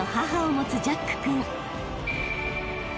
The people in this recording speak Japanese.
持つジャック君］